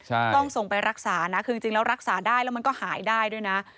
ต้องส่งไปรักษานะคือจริงแล้วรักษาได้แล้วมันก็หายได้ด้วยนะ